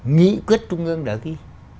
nghĩ quyết trung ương đều ghi